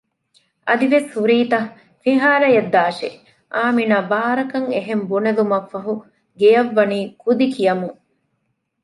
އަދިވެސް ހުރީތަ؟ ފިހާރައަށް ދާށޭ! އާމިނާ ބާރަކަށް އެހެން ބުނެލުމަށްފަހު ގެއަށް ވަނީ ކުދި ކިޔަމުން